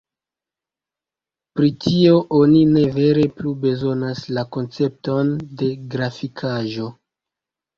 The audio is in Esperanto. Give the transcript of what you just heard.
Pri tio oni ne vere plu bezonas la koncepton de grafikaĵo.